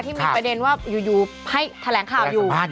ที่มีประเด็นว่าอยู่ให้แถลงข่าวอยู่